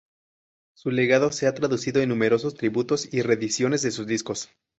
Su legado se ha traducido en numerosos tributos y reediciones de sus discos.